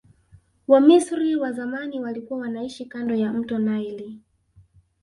wamisri wa zamani walikua wanaishi kando ya mto naili